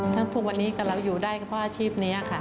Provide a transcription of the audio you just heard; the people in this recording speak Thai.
ทั้งทุกวันนี้แล้วอยู่ด้วยก็เพราะว่าอาชีพนี้ค่ะ